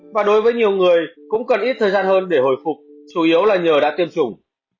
và đối với nhiều người cũng cần ít thời gian hơn để hồi phục chủ yếu là nhờ đã tiêm chủng